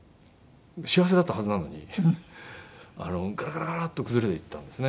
幸せだったはずなのにガラガラガラッと崩れていったんですね。